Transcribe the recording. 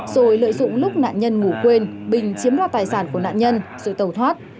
rồi lợi dụng lúc nạn nhân ngủ quên bình chiếm đoạt tài sản của nạn nhân rồi tàu thoát